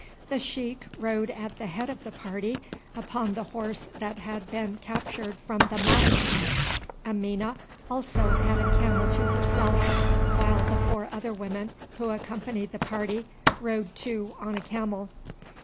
The sheik rode at the head of the party upon the horse that had been captured from the Mahdists. Amina also had a camel to herself, while the four other women who accompanied the party rode two on a camel.